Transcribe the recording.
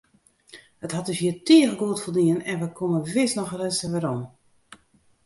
It hat ús hjir tige goed foldien en wy komme wis noch ris werom.